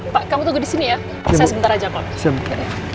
pak kamu tunggu disini ya saya sebentar aja pak